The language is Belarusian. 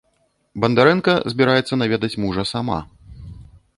Бандарэнка збіраецца наведаць мужа сама.